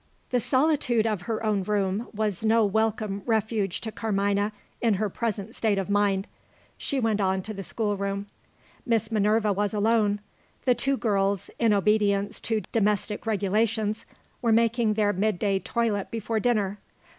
The solitude of her own room was no welcome refuge to Carmina, in her present state of mind. She went on to the schoolroom. Miss Minerva was alone. The two girls, in obedience to domestic regulations, were making their midday toilet before dinner.